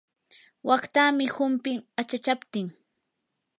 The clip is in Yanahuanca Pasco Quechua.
waqtamii humpin achachaptin.